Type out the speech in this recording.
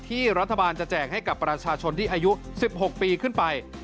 ที่รัฐบาลจะแจกให้กับประชาชนที่อายุ๑๖ปีขึ้นไป